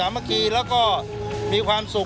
มิ้นตรงเหมือนแมวแมวเดิน